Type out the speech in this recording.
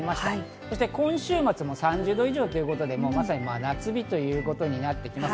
そして今週末も３０度以上、まさに真夏日ということになってきます。